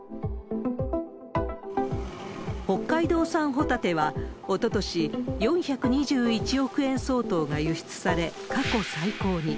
北海道産ホタテは、おととし４２１億円相当が輸出され、過去最高に。